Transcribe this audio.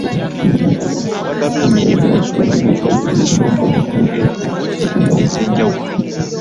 Abagaba emirimu bayinza okugezesa omuntu mu ngeri nnyingi ez'enjawulo.